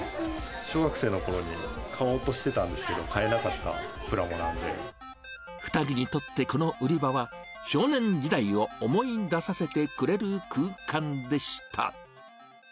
小学生のころに買おうとしてたんですけど、２人にとって、この売り場は、少年時代を思い出させてくれる空間でした。